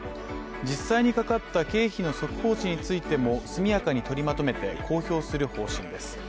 実際にかかった経費の速報値についても速やかに取りまとめて公表する方針です。